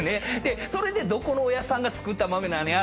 それでどこのおやっさんが作った豆なんや？